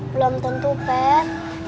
belom tentu peh